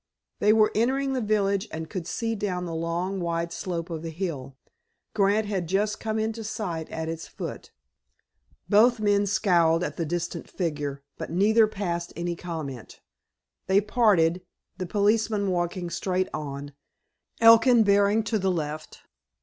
They were entering the village, and could see down the long, wide slope of the hill. Grant had just come into sight at its foot. Both men scowled at the distant figure, but neither passed any comment. They parted, the policeman walking straight on, Elkin bearing to the left.